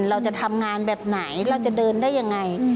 เราจะทำงานแบบไหนเราจะเดินได้ยังไง